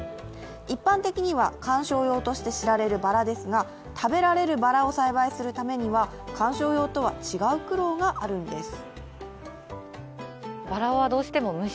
一般的には観賞用として知られるバラですが食べられるバラを栽培するためには観賞用とは違う苦労があるんです。